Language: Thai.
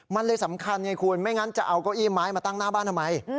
มันเลยสำคัญไงคุณไม่งั้นจะเอาเก้าอี้ไม้มาตั้งหน้าบ้านทำไม